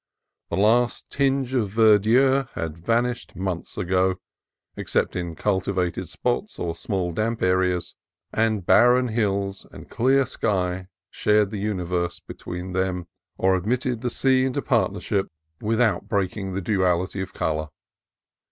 The last tinge of verdure had vanished months ago, except in culti vated spots or small damp areas, and barren hills and clear sky shared the universe between them, or admitted the sea into partnership without breaking 258 CALIFORNIA COAST TRAILS the duality of color.